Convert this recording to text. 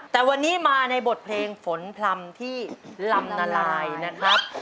แต่วันนี้มาในบทเพลงฝนพลำที่ลำนาลายนะครับ